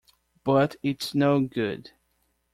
But it's no good.